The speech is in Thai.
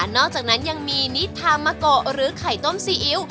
อกจากนั้นยังมีนิทามะโกหรือไข่ต้มซีอิ๊ว